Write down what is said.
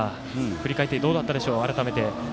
振り返ってどうだったでしょう？